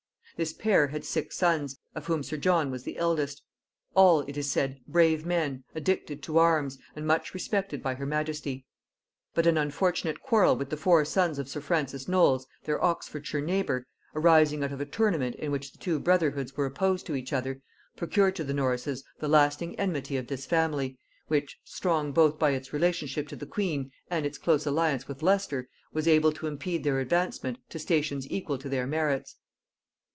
This pair had six sons, of whom sir John was the eldest; all, it is said, brave men, addicted to arms, and much respected by her majesty. But an unfortunate quarrel with the four sons of sir Francis Knolles, their Oxfordshire neighbour, arising out of a tournament in which the two brotherhoods were opposed to each other, procured to the Norrises the lasting enmity of this family, which, strong both by its relationship to the queen and its close alliance with Leicester, was able to impede their advancement to stations equal to their merits.